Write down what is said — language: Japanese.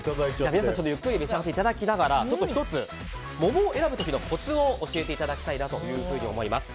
皆さん、ゆっくり召し上がっていただきながら１つ、桃を選ぶ時のコツを教えていただきたいなと思います。